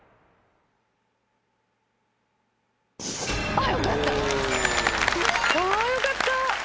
あよかった。